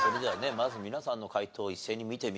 まず皆さんの回答を一斉に見てみますか。